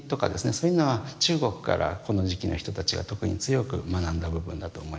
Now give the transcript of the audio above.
そういうのは中国からこの時期の人たちは特に強く学んだ部分だと思います。